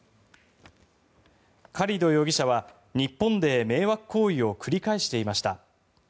カリド容疑者は、日本で迷惑行為を繰り返していました。